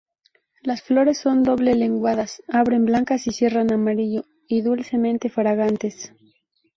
Las flores son doble-lenguadas, abren blancas y cierran amarillo, y dulcemente fragantes.